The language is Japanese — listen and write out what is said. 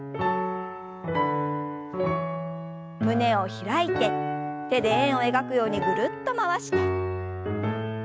胸を開いて手で円を描くようにぐるっと回して。